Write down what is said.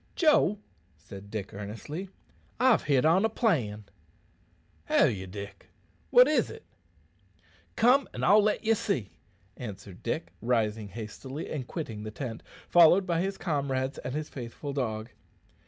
"Joe," said Dick earnestly, "I've hit on a plan." "Have ye, Dick what is't?" "Come and I'll let ye see," answered Dick, rising hastily and quitting the tent, followed by his comrades and his faithful dog.